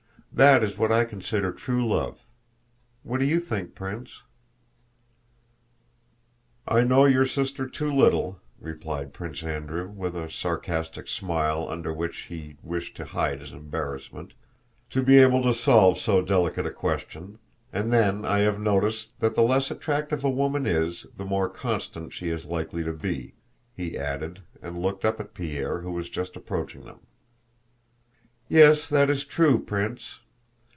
That is what I consider true love. What do you think, Prince?" "I know your sister too little," replied Prince Andrew, with a sarcastic smile under which he wished to hide his embarrassment, "to be able to solve so delicate a question, and then I have noticed that the less attractive a woman is the more constant she is likely to be," he added, and looked up at Pierre who was just approaching them. "Yes, that is true, Prince.